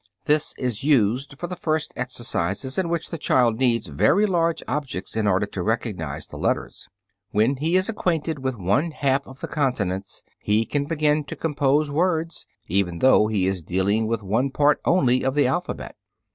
This is used for the first exercises, in which the child needs very large objects in order to recognize the letters. When he is acquainted with one half of the consonants he can begin to compose words, even though he is dealing with one part only of the alphabet.